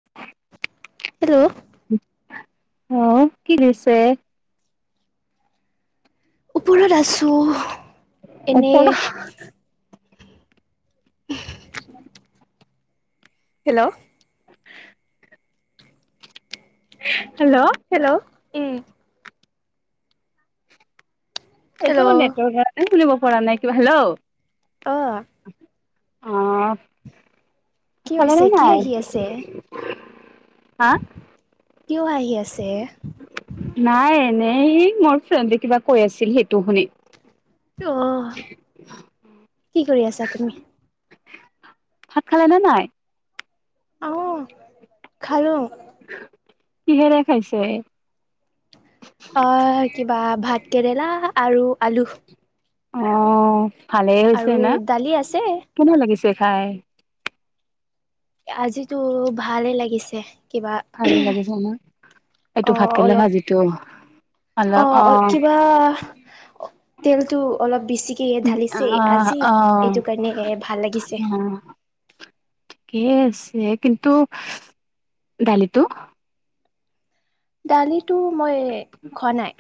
[inaudible] হেইটো। অ' কি দিছে? ওপৰত আছোঁ। ওপৰ [inaudible] হেল্ল'। হেল্ল'। হেল্ল' উ। এইটো হেল্ল' নেটৰ [unintelligible] শুনিব পৰা নাই কিবা, হেল্ল'। অ'। অ' কি [unintelligible] খালে হৈছে নে কি নাই? আহি আছে হা? কিয় আহি আছে? নাই, এনেই মোৰ ফ্ৰেণ্ডে কিবা কৈ আছিল সেইটো শুনি। অ' কি কৰি আছা তুমি? ভাত খালেনে নাই? অ' খালোঁ। কিহেৰে খাইছে? অ' কিবা ভাত কেৰেলা আৰু আলু। অ' ভালেই হৈছে আৰু না? দালি আছে কেনে লাগিছে খাই? আজিতো ভালে লাগিছে। কিবা ভালে লাগিছে ন এইটো অ' ভাতকেৰেলা অলপ ভাজিটো অ', অ' কিবা তেলটো অলপ বেছিকে অ ঢালিছে আজি অ অ এইটো কাৰণে ভাল লাগিছে। কিয়ে আছে কিন্তু দালিটো? দালিটো মই খোৱা নাই।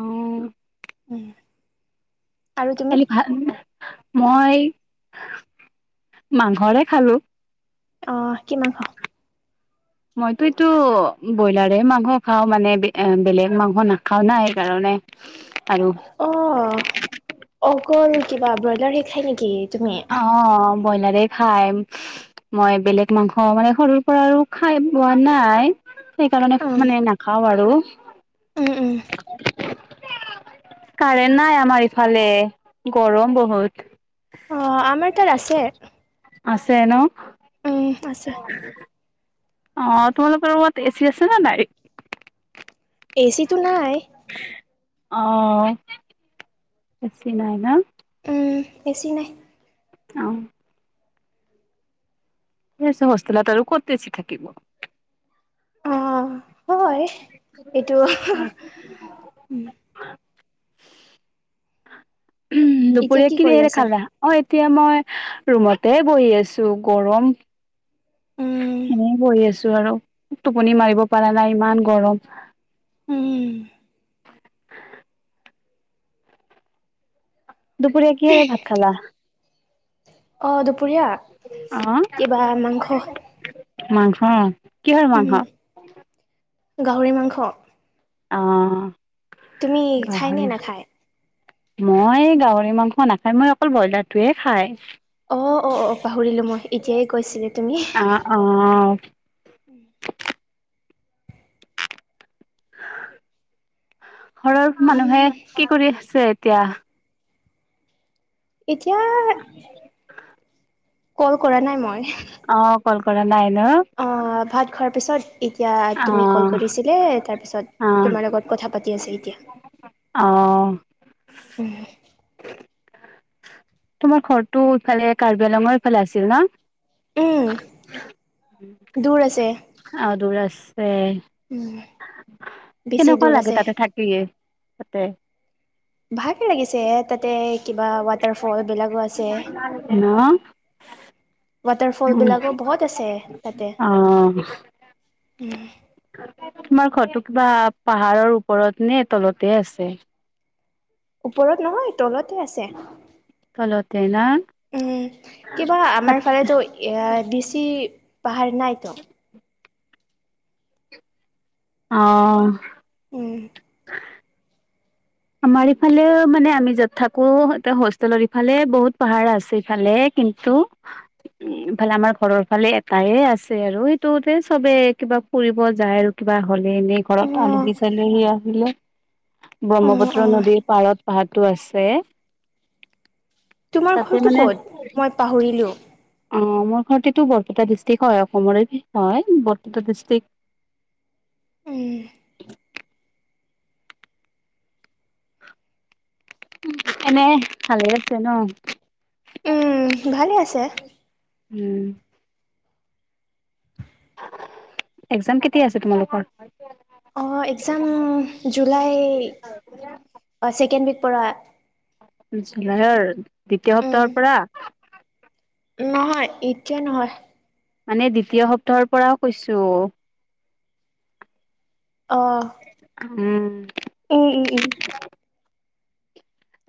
অ'। [inaudible] খালি ভা, মই মাংসৰে খালোঁ। অ' কি মাংস? মইতো এইটো ব্ৰইলাৰে মাংস খাওঁ মানে বে-বেলেগ মাংস নাখাওঁ না সেইকাৰণে। আৰু? অ' অকল কিবা ব্ৰইলাৰহে খাই নেকি তুমি? অ' বইলাৰে খায়। মই বেলেগ মাংস মানে সৰুৰ পৰা আৰু খাই পোৱা নাই। সেইকাৰণে উম, মানে নাখাওঁ আৰু। উম, উম। কাৰেণ্ট নাই আমাৰ ইফালে, গৰম বহুত। অ' আমাৰ তাত আছে। আছে ন'? উম, আছে। অ' তোমালোকৰ ৰুমত এচি আছে নে নাই? এ চিটো নাই। অ এ চি নাই ন উম এ চি নাই অ সেই হচ হোষ্টেলত আৰু ক'ত এ চি থাকিব অ হয় এইটো উম ঊম এতিয়া দুপৰীয়া কি কৰি কিহেৰে আছা? খালা অ এতিয়া মই ৰুমতে বহি আছো গৰম উম, এনে বহি আছো আৰু টোপনি মাৰিব পৰা নাই ইমান গৰম উম দুপৰীয়া কিহেৰে ভাত খালা অ দুপৰীয়া অহ কিবা মাংস মাংস কিহৰ উম, মাংস গাহৰি মাংস অ তুমি খাই নে গাহৰি নাখায়? মই গাহৰি মাংস নাখায় মই অকল ব্ৰইলাৰটোৱে খায় অ অ অ পাহৰিলোঁ মই এতিয়াই কৈছিলে তুমি অহ ঘৰৰ মানুহে উম, কি কৰি আছে এতিয়া এতিয়া কল কৰা নাই মই অ কল কৰা নাই ন অ ভাত খোৱাৰ পিছত এতিয়া অ তুমি কল কৰিছিলে অ তাৰপিছত তোমাৰ লগত কথা পাতি আছে এতিয়া অহ তোমাৰ ঘৰটো ইফালে কাৰ্বি -আলঙৰ ফালে আছিল ন উম দূৰ আছে অ দূৰ আছে উম বেছি কেনেকুৱা দূৰ লাগে আছে তাতে থাকি তাতে ভাগে লাগিছে তাতে কিবা ৱাটাৰফল বিলাকো আছে নহ ৱাটাৰ ফল বিলাকো বহুত আছে তাতে অ উম তোমাৰ ঘৰটো কিবা পাহাৰৰ ওপৰত নে তলতে আছে ওপৰত নহয় তলতে আছে তলতে না উম কিবা তাত আমাৰ ফালেতো এ বেছি পাহাৰ নাইতো অ উম [unintelligible] আমাৰ ইফালেও মানে আমি য'ত থাকো ইয়াতে হোষ্টেলৰ এইফালে বহুত পাহাৰ আছে এইফালে কিন্তু এইফালে আমাৰ ঘৰৰ ফালে এটাই আছে আৰু সেইটোতে চবে কিবা ফুৰিব যায় আৰু কিবা হলে এনে ঘৰত অ' আলহী চালহী আহিলে অ' ব্ৰহ্মপুত্ৰ অ' নদীৰ পাৰত পাহাৰটো আছে তোমাৰ তাতে ঘৰটো মানে ক'ত মই পাহৰিলোঁ অ মোৰ ঘৰতেটো বৰপেটা ডিষ্ট্ৰিক হয় অসমৰে হয় বৰপেটা ডিষ্ট্ৰিক উম এনে ভালে আছে ন উম, ভালে হৈ আছে। উম। একজাম কেতিয়া আছে তোমালোকৰ? অ' এক্সাম জুলাই ছেকেণ্ড উইক পৰা। জুলাইৰ দ্বিতীয় উম, সপ্তাহৰ পৰা। নহয় এতিয়া নহয়। মানে দ্বিতীয় সপ্তাহৰ পৰা কৈছোঁ। অ'। উম। উম উম উম।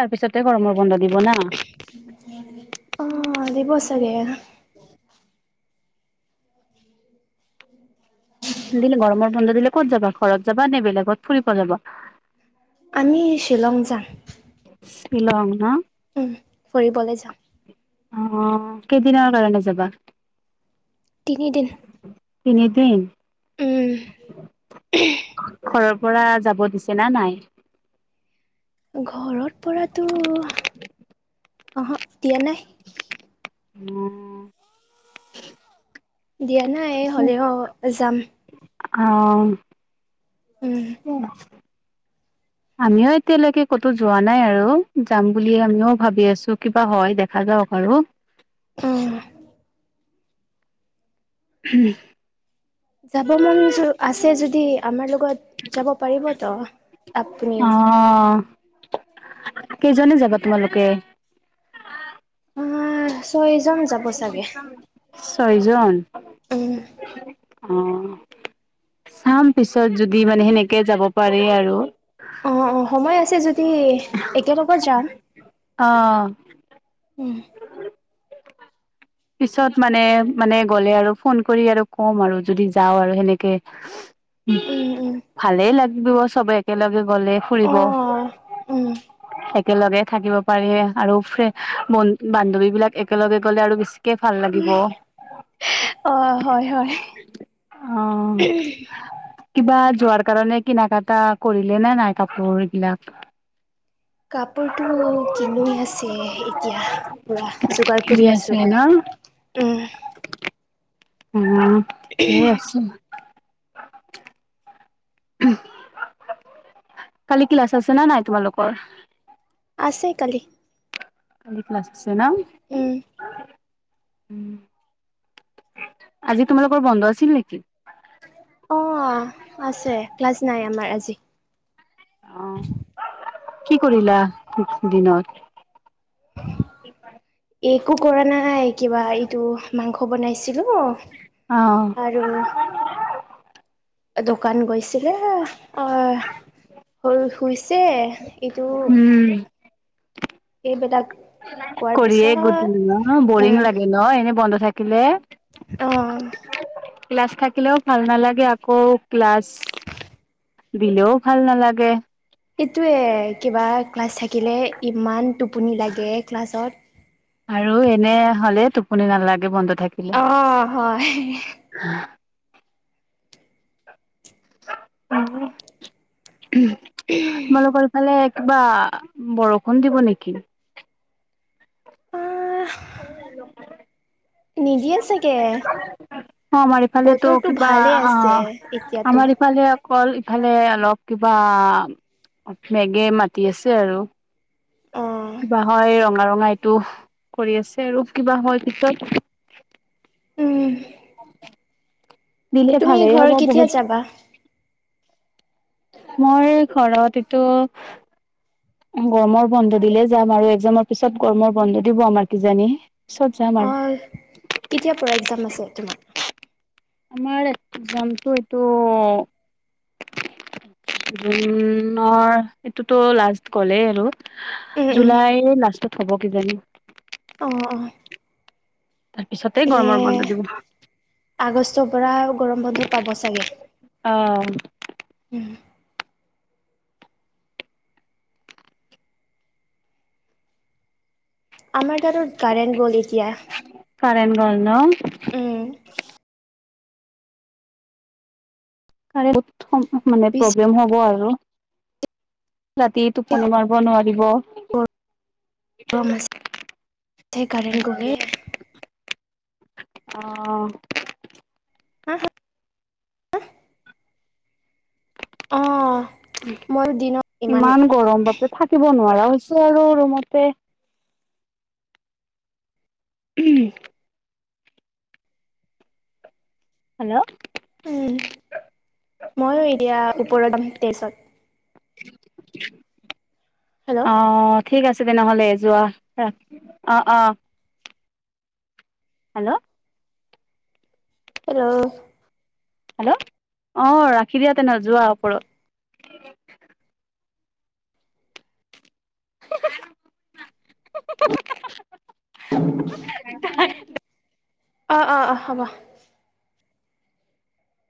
তাৰ পিছতে গৰমৰ বন্ধ দিব না। অ' দিব চাগে। [inaudible] দিলে গৰমৰ বন্ধ দিলে ক'ত যাবা? ঘৰত যাবা নে বেলেগত ফুৰিব যাবা। আমি শ্বিলং যাম। শ্বিলং ন। উম ফুৰিবলে যাম। অ' কেইদিনৰ কাৰণে যাবা? তিনিদিন। তিনিদিন। উম। ঘৰৰ পৰা যাব দিছে নে নাই? ঘৰত পৰাটো অহ দিয়া নাই। উম। দিয়া নাই হ'লেও যাম। অ'। উম। আমিও এতিয়ালৈকে ক'তো যোৱা নাই আৰু যাম বুলিয়ে আমিও ভাবি আছো। কিবা হয় দেখা যাওঁক আৰু। অ'। [unintelligible] যাব মন আছে যদি আমাৰ লগত যাব পাৰিব ত আপুনিও। অ'। কেইজনে যাবা তোমালোকে? অ' ছয়জন যাব চাগে। ছয়জন? উম অ'। চাম পিছত যদি মানে সেনেকে যাব পাৰি আৰু। অঁ অঁ সময় আছে যদি একে লগত যাম। অ'। উম। পিছত মানে মানে গ'লে আৰু ফোন কৰি আৰু ক'ম আৰু যদি যাওঁ আৰু সেনেকে। উম উম ভালে লাগিব চবে একেলগে গলে ফুৰিব। অঁ উম একেলগে থাকিব পাৰি আৰু ব বান্ধৱী বিলাক একেলগে গ'লে আৰু বেছি কে ভাল লাগিব। অঁ হয় হয় অঁ' কিবা যোৱাৰ কাৰণে কিনা কাটা কৰিলে নে নাই কাপোৰ এইবিলাক। কাপোৰটো কিনি আছে এতিয়া পুৰা যোগাৰ কৰি আছো। উমহ' উম' ঠিকে আছো। কালি ক্লাছ আছে নে নাই তোমালোকৰ? আছে কালি। কালী ক্লাছ আছে ন'। উম উম' আজি তোমালোকৰ বন্ধ আছিল নেকি? অঁ আছে ক্লাছ নাই আমাৰ আজি। অঁ কি কৰিলা দিনত? একো কৰা নাই কিবা এইটো মাংস বনাইছিলো। অঁ' আৰু দোকান গৈছিলে হে অ। শুইছে এইটো- উম' এই বিলাক- কৰিয়ে গোট ন উম বৰিং লাগে ন এনেই বন্ধ থাকিলে। অঁ' ক্লাছ থাকিলেও ভাল নালাগে, আকৌ ক্লাছ- দিলেও ভাল নালাগে। এইটোৱে কিবা ক্লাছ থাকিলে ইমান টোপনি লাগে ক্লাছত। আৰু এনেই হলে টোপনি নালাগে বন্ধ থাকিলে। অ হয় [inaudible] তোমালোকৰ ইফালে কিবা বৰষুণ দিব নেকি? অঁহ' [unintelligible] নিদিয়ে চাগে। অঁ' আমাৰ ইফালেতো বতৰটো কিবা ভালে আছে অঁ এতিয়াতো আমাৰ ইফালে- কল ইফালে অলপ কিবা মেগে মাতি আছে আৰু। অ কিবা হয় এ ৰঙা ৰঙা এইটো কৰি আছে আৰু কিবা হয় পিছত- উম' দিলে তুমি ভালেই ঘৰ হ'ব কেতিয়া বহুত। যাবা মই ঘৰত এইটো- গৰমৰ বন্ধ দিলে যাম আৰু এক্সামৰ পিছত গৰমৰ বন্ধ দিব আমাৰ কিজানি পিছত যাম অ আৰু। কেতিয়াৰ পৰা এক্সাম আছে তোমা? আমাৰ এক্সাম টো এইটো- জুনৰ এইটোতো লাষ্ট গ'লেই আৰু। উম উম জুলাই লাষ্টত হ'ব কিজানি? অঁহ অঁহ' তাৰ পিছতে গৰমৰ এনেই বন্ধ দিব আগষ্টৰ পৰা গৰম বন্ধ পাব চাগে। অ' উম' আমাৰ তাতো কাৰেণ্ট গ'ল এতিয়া। কাৰেণ্ট গ'ল ন। উম কাৰেণ্ট বহুত সম মানে, বিশ প্ৰব্লেম হ'ব আৰু। ৰাতি কি টোপনি মাৰিব নোৱাৰিব। সেই কাৰেণ্ট গ'লে। অ'। [inaudible] অ'। মইয়ো দিনত ইমান গৰম বাপৰে, থাকিব নোৱাৰা হৈছোঁ আৰু ৰুমতে। [unintelligible] হেল্ল'। উম, মইয়ো এতিয়া, ওপৰত যাম তেইছত। হেল্ল' অ'। ঠিক আছে তেনেহ'লে যোৱা, ৰা, অ', অ'। হেল্ল'। হেল্ল'। হেল্ল' অ', ৰাখি দিয়া তেনে, যোৱা ওপৰত। [inaudible] অ', অ', অ', হ'ব।